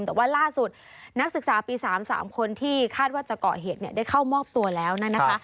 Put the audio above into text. แต่ว่าล่าสุดนักศึกษาปี๓๓คนที่คาดว่าจะเกาะเหตุได้เข้ามอบตัวแล้วนะคะ